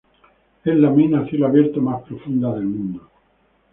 Es la mina a cielo abierto más profunda del mundo.